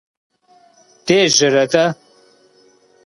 Дежьэрэ-тӀэ?